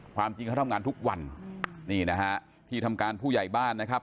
ความจริงเขาทำงานทุกวันนี่นะฮะที่ทำการผู้ใหญ่บ้านนะครับ